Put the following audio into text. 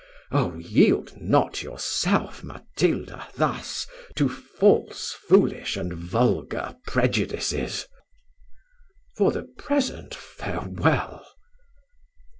O yield not yourself, Matilda thus to false, foolish, and vulgar prejudices for the present, farewell."